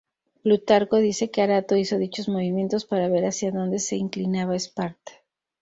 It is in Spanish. Plutarco dice que Arato hizo dichos movimientos para ver hacia dónde se inclinaba Esparta.